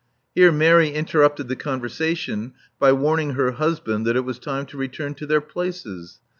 Here Mary interrupted the conversation by warn ing her husband that it was time to return to their places.